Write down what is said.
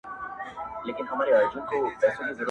څه به وساتي ځالۍ د توتکیو -